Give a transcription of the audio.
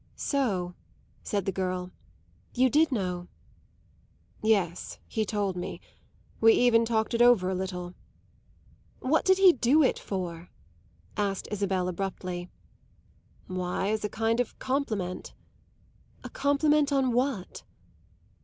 "So," said the girl, "you did know." "Yes; he told me. We even talked it over a little." "What did he do it for?" asked Isabel abruptly. "Why, as a kind of compliment." "A compliment on what?"